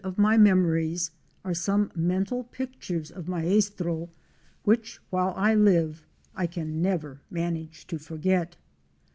of my memories are some mental pictures of Maestro, which, while I live, I can never manage to forget.